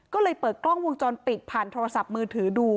ก็เลยเปิดกล้องวงจรปิดผ่านโทรศัพท์มือถือดู